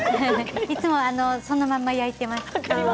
いつもそのまま焼いています。